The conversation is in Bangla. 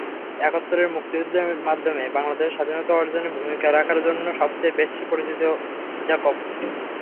একাত্তরে মুক্তিযুদ্ধের মাধ্যমে বাংলাদেশের স্বাধীনতা অর্জনে ভূমিকা রাখার জন্য সবচেয়ে বেশি পরিচিত জ্যাকব।